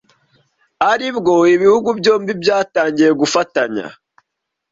aribwo ibihugu byombi byatangiye gufatanya